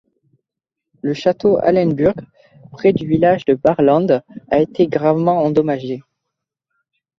Le château Hellenburg près du village de Baarland, a été gravement endommagé.